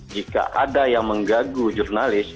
jika ada yang menggagu jurnalis